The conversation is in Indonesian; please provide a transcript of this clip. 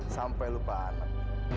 sampai lupa anak